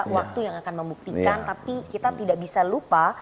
waktu yang akan membuktikan tapi kita tidak bisa lupa